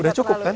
sudah cukup kan